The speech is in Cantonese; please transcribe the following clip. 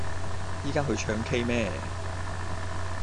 依家去唱 k 咩